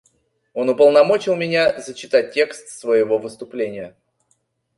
Он уполномочил меня зачитать текст своего выступления.